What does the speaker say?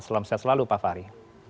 selamat siang selalu pak fahri